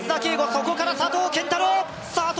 そこから佐藤拳太郎佐藤